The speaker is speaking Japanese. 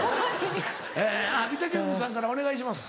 御嶽海さんからお願いします